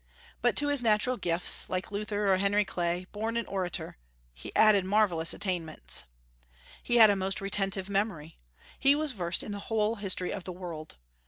But to his natural gifts like Luther, or Henry Clay, born an orator he added marvellous attainments. He had a most retentive memory. He was versed in the whole history of the world.